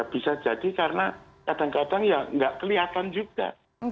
bisa jadi karena kadang kadang ya nggak kelihatan juga